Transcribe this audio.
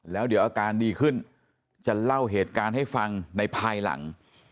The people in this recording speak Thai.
แล้วเดี๋ยวอาการดีขึ้นจะเล่าเหตุการณ์ให้ฟังในภายหลัง